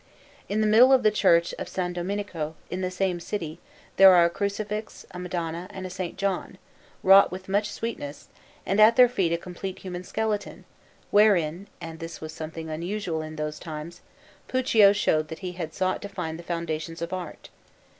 In the middle of the Church of S. Domenico, in the same city, there are a Crucifix, a Madonna, and a S. John, wrought with much sweetness, and at their feet a complete human skeleton, wherein (and this was something unusual in those times) Puccio showed that he had sought to find the foundations of art.